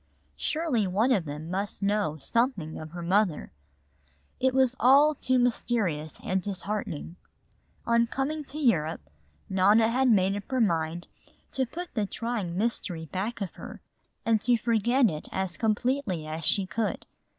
Surely one of them must know something of her mother. It was all too mysterious and disheartening. On coming to Europe, Nona had made up her mind to put the trying mystery back of her and to forget it as completely as she could.